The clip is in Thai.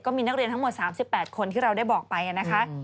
มีนักเรียนทั้งหมด๓๘คนที่เราได้บอกไปนะคะ